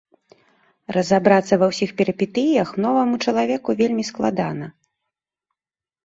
Разабрацца ва ўсіх перыпетыях новаму чалавеку вельмі складана.